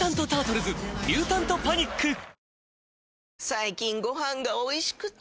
最近ご飯がおいしくて！